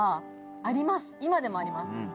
今でもあります